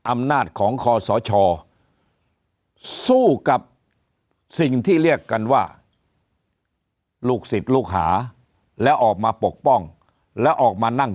อำนาจของคอสชสู้กับสิ่งที่เรียกกันว่าลูกศิษย์ลูกหาแล้วออกมาปกป้องแล้วออกมานั่ง